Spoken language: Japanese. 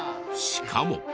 しかも。